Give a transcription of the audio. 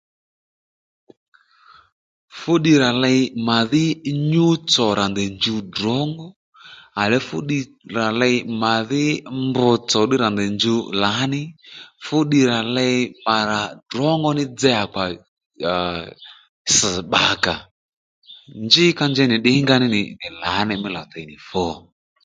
Fú ddiy ra ley màdhí nyû tsò rà ndèy njuw ddrǒngó à lee fúddiy rà ley màdhí mbr tsò ddí rà ndèy njuw lǎní fúddiy rà ley mà rà ddrǒngó ní dza ya kpa aa ss̀ bba kà ó njí ka njey nì ddìnga ó ní nì lǎní mí lò tey nì fu